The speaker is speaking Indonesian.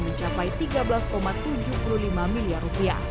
mencapai rp tiga belas tujuh puluh lima miliar